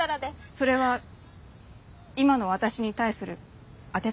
それは今の私に対する当てつけ？